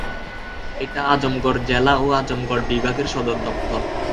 এটা আজমগড় জেলা ও আজমগড় বিভাগের সদর দপ্তর।